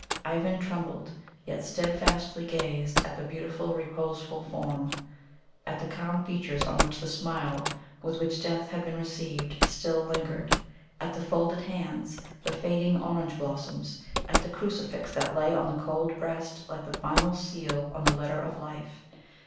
Ivan trembled, yet steadfastly gazed at the beautiful reposeful form, at the calm features on which the smile with which death had been received, still lingered at the folded hands, the fading orange blossoms at the crucifix that lay on the cold breast like the final seal on the letter of life.